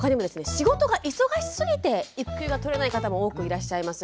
仕事が忙しすぎて育休がとれない方も多くいらっしゃいます。